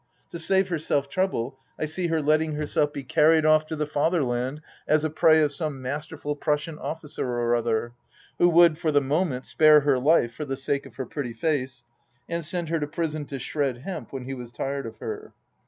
To save herself trouble, I see her letting herself be carried off to the Fatherland as a prey of some masterful Prussian officer or other, who would for the moment spare her life for the sake of her pretty face, and send her to prison to shred hemp when he was tired of her.